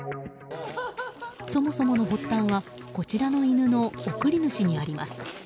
そもそもの発端はこちらの犬の贈り主にあります。